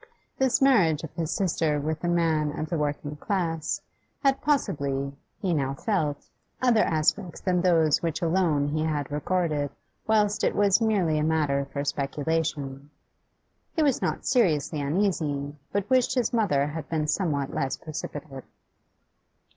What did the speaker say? This marriage of his sister with a man of the working class had possibly, he now felt, other aspects than those which alone he had regarded whilst it was merely a matter for speculation. He was not seriously uneasy, but wished his mother had been somewhat less precipitate.